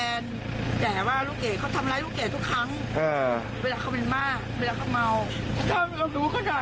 แผนแต่ว่าลูกเกรดเธอทำลายลูกเกรดทุกครั้ง